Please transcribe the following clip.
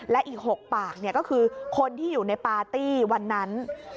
และอีก๖ปากก็คือคนที่อยู่ในปาร์ตี้วันนั้น